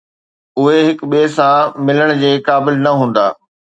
اهي هڪ ٻئي سان ملڻ جي قابل نه هوندا